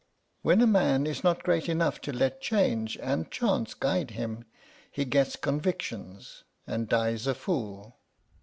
"When a man is not great enough to let change and chance guide him, he gets convictions, and dies a fool."